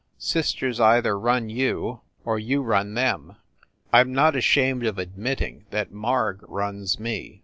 Sisters either run you, or you run them. I m not ashamed of admitting that Marg runs me.